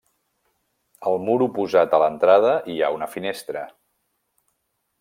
Al mur oposat a l'entrada hi ha una finestra.